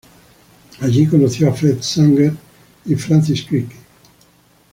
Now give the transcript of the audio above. Allí conoció a Fred Sanger y Francis Crick.